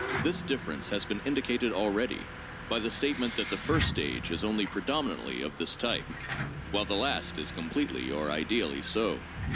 This difference has been indicated already by the statement that the first stage is only predominantly of this type, while the last is completely or ideally so.